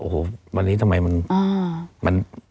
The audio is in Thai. โอ้โหวันนี้ทำไมมัน